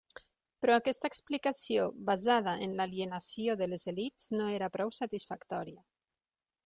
Però aquesta explicació basada en l'alienació de les elits no era prou satisfactòria.